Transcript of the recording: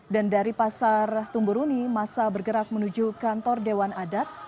dan dari pasar tumburuni massa bergerak menuju kantor dewan adat